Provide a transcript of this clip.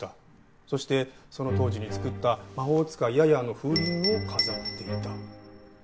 そしてその当時に作った『魔法使いヤヤー』の風鈴を飾っていた。